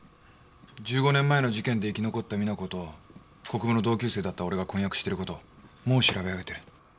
１５年前の事件で生き残った実那子と国府の同級生だった俺が婚約してることもう調べ上げてる。